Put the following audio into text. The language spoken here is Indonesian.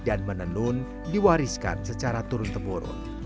dan menenun diwariskan secara turun temurun